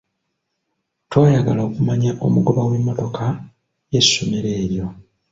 Twayagala okumanya omugoba w’emmotoka ye ssomero eryo.